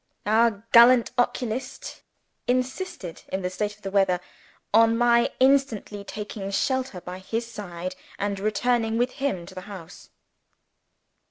Our gallant oculist insisted (in the state of the weather) on my instantly taking shelter by his side and returning with him to the house.